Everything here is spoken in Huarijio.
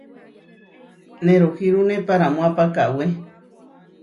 Nerohírune paramoápa kawé.